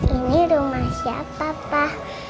ini rumah siapa pak